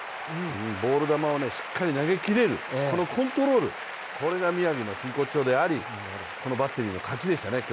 ボール球をしっかり投げきれる、このコントロール、これが宮城の真骨頂であり、このバッテリーの勝ちでしたね。